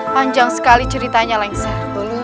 panjang sekali ceritanya lengser